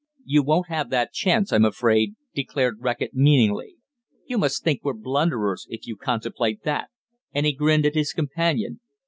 "You won't have that chance, I'm afraid," declared Reckitt meaningly. "You must think we're blunderers, if you contemplate that!" and he grinned at his companion.